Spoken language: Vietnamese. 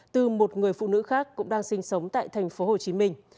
từ một người phụ nữ khác cũng đang sinh sống tại thành phố hồ chí minh